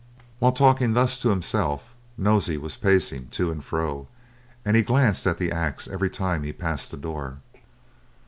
While talking thus to himself, Nosey was pacing to and fro, and he glanced at the axe every time he passed the door.